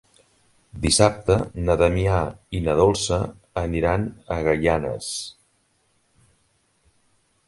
Dissabte na Damià i na Dolça aniran a Gaianes.